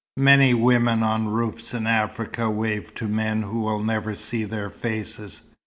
"Many women on roofs in Africa wave to men who will never see their faces.